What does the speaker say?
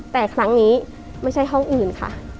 แต่ครั้งนี้ไม่ใช่ห้องอื่นค่ะ